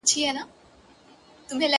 • د زړه رگونه مي د باد په هديره كي پراته.